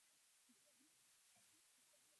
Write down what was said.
自小我就受他的影响